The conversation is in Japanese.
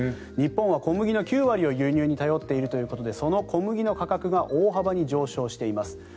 日本は小麦の９割を輸入に頼っているということでその小麦の価格が大幅に上昇しています。